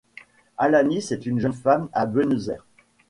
Alanis est une jeune femme à Buenos Aires.